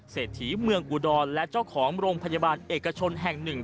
เศรษฐีเมืองอุดรและเจ้าของโรงพยาบาลเอกชนแห่งหนึ่ง